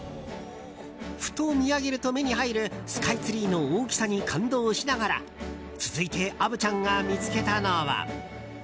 ふと見上げると目に入るスカイツリーの大きさに感動しながら続いて虻ちゃんが見つけたのは。